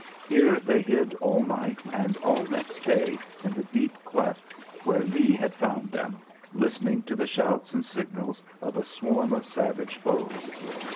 Here they hid all night and all next day in the deep cleft where Lee had found them, listening to the shouts and signals of a swarm of savage foes.